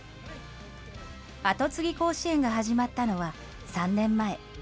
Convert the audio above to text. アトツギ甲子園が始まったのは３年前。